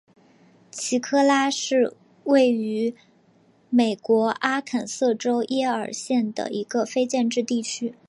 奇克拉是位于美国阿肯色州耶尔县的一个非建制地区。